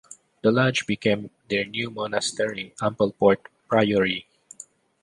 The lodge became their new monastery, Ampleforth Priory.